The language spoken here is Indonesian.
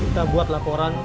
kita buat laporan